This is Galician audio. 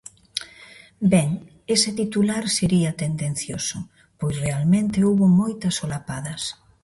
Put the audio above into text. Ben, ese titular sería tendencioso, pois realmente houbo moitas solapadas.